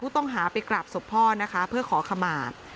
ต้องหาไปกราบศพพ่อนะคะเพื่อขอขมา